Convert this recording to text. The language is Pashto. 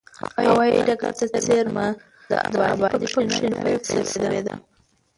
هوایي ډګر ته څېرمه ده، ابادي په کې نوې پیل شوې ده.